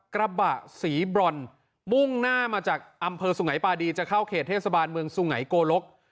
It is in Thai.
กระบะสีบรอนมุ่งหน้ามาจากอำเภอสุงัยปาดีจะเข้าเขตเทศบาลเมืองสุไงโกลก